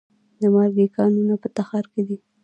د مالګې کانونه په تخار کې دي